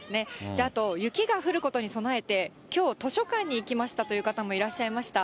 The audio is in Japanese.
あと、雪が降ることに備えて、きょう、図書館に行きましたという方もいらっしゃいました。